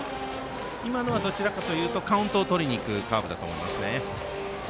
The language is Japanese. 今のはどちらかというとカウントをとりにいくカーブだったと思います。